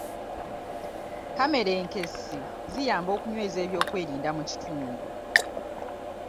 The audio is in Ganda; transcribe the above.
Kamera enkessi ziyamba okunyweza eby'okwerinda mu kitundu.